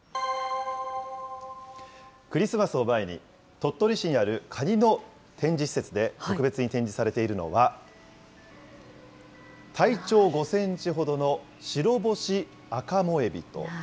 クリスマスを前に、鳥取市にあるカニの展示施設で、特別に展示されているのは、体長５センチほどのシロボシアカモエビと。